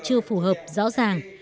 chưa phù hợp rõ ràng